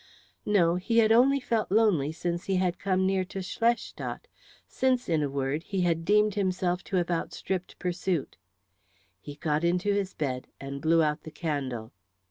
No; he had only felt lonely since he had come near to Schlestadt, since, in a word, he had deemed himself to have outstripped pursuit. He got into his bed and blew out the candle.